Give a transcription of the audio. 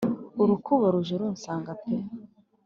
urukubo ruje runsanga pe